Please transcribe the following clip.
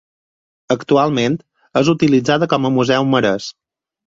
Actualment és utilitzada com a Museu Marès.